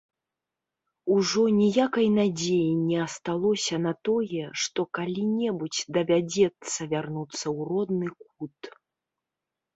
Ужо ніякай надзеі не асталося на тое, што калі-небудзь давядзецца вярнуцца ў родны кут.